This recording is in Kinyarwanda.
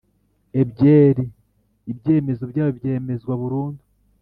ebyeri Ibyemezo byayo byemezwa burundu